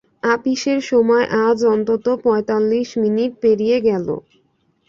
আপিসের সময় আজ অন্তত পঁয়তাল্লিশ মিনিট পেরিয়ে গেল।